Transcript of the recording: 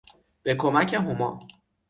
به کمک هما